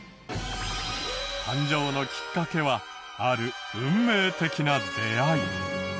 誕生のきっかけはある運命的な出会い。